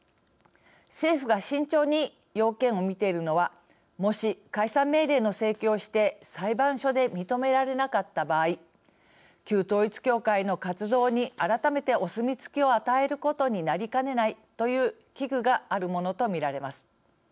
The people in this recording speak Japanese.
政府が慎重に要件を見ているのはもし、解散命令の請求をして裁判所で認められなかった場合旧統一教会の活動に改めてお墨付きを与えることになりかねないという危惧があるものと見られます。